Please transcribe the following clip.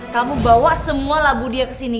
kamu bawa semua labu dia kesini